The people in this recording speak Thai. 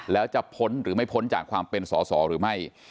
แล้วจะพ้นหรือไม่พ้นจากความเป็นสอสอหรือไม่